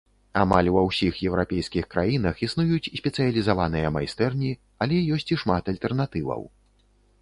Амаль ва ўсіх еўрапейскіх краінах існуюць спецыялізаваныя майстэрні, але ёсць і шмат альтэрнатываў.